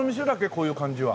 こういう感じは。